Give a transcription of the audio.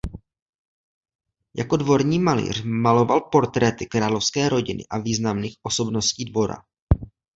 Jako dvorní malíř maloval portréty královské rodiny a významných osobností dvora.